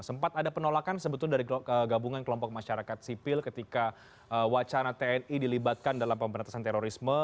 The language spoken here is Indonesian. sempat ada penolakan sebetulnya dari gabungan kelompok masyarakat sipil ketika wacana tni dilibatkan dalam pemberantasan terorisme